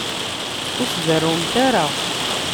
Ur as-berrumt ara.